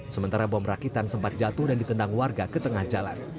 sementara bom rakitan sempat jatuh dan ditendang warga ke tengah jalan